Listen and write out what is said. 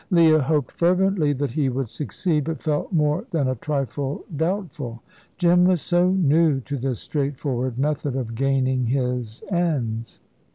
Leah hoped fervently that he would succeed, but felt more than a trifle doubtful. Jim was so new to this straightforward method of gaining his ends.